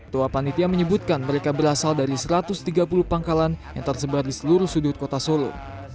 tua panitia menyebutkan mereka berasal dari satu ratus tiga puluh pangkalan yang tersebar di seluruh sudut kota solo